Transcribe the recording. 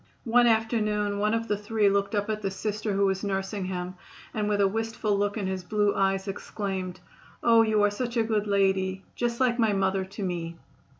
One afternoon one of the three looked up at the Sister who was nursing him, and with a wistful look in his blue eyes exclaimed: "Oh, you are such a good lady; just like my mother to me."